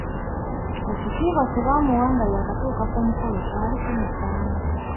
Ekitiibwa kye baamuwa nga yaakatuuka ku mukolo kyali kimusaana.